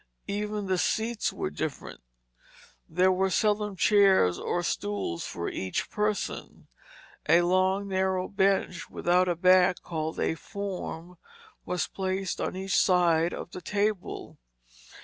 Even the seats were different; there were seldom chairs or stools for each person. A long narrow bench without a back, called a form, was placed on each side of the table.